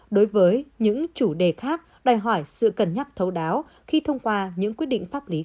đối với những chủ đề khác đòi hỏi sự cân nhắc thấu đáo khi thông qua những quyết định pháp lý